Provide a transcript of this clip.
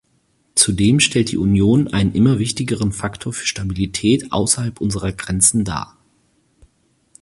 Zudem stellt die Union einen immer wichtigeren Faktor für Stabilität außerhalb unserer Grenzen dar.